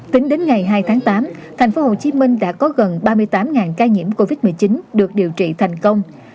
tính đến ngày hai tháng tám thành phố hồ chí minh đã có gần ba mươi tám ca nhiễm covid một mươi chín được điều trị thành công